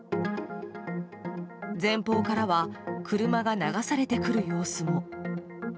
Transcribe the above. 前方からは車が流されてくる様子も。